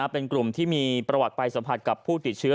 เป็นกลุ่มที่มีประวัติไปสัมผัสกับผู้ติดเชื้อ